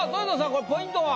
これポイントは？